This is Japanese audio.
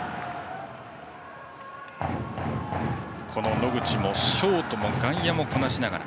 野口も、ショートも外野もこなしながら。